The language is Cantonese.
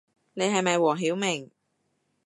你係咪黃曉明